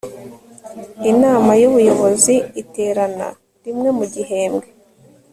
inama y'ubuyobozi iterana rimwe mu gihembwe